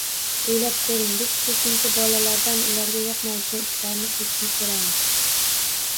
O‘ylab ko‘ring, biz ko‘pincha bolalardan ularga yoqmaydigan ishlarni qilishni so‘raymiz